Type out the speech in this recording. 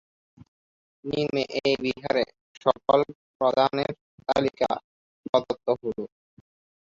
নিম্নে এই বিহারের সকল প্রধানের তালিকা প্রদত্ত হল।